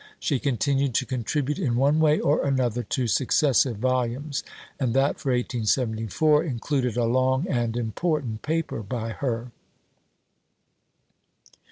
She continued to contribute in one way or another to successive volumes; and that for 1874 included a long and important paper by her.